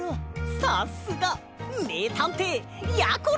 さすがめいたんていやころ！